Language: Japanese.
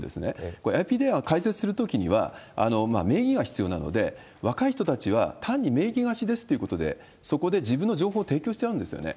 これ、ＩＰ電話を開設するときには名義が必要なので、若い人たちは単に名義貸しですということで、そこで自分の情報を提供しちゃうんですよね。